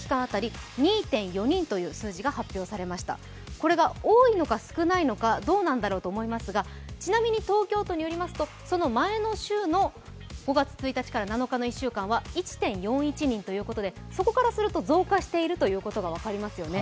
これが多いのか少ないのかどうなんだろうと思いますがちなみに東京都によりますと、その前の週の５月１日から７日の１週間は２．４人ということでそこからすると増加していることが分かりますよね。